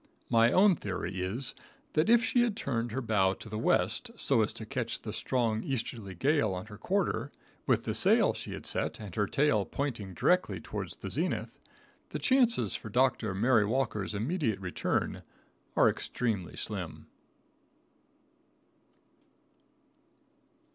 My own theory is, that if she turned her bow to the west so as to catch the strong easterly gale on her quarter, with the sail she had set and her tail pointing directly toward the zenith, the chances for Dr. Mary Walker's immediate return are extremely slim.